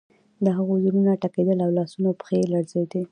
د هغوی زړونه ټکیدل او لاسونه او پښې یې لړزیدې